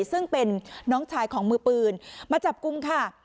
ซึ่งเป็นน้องชายของมือปืนมาจับกลุ่มค่ะ